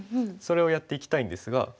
それをやっていきたいんですが。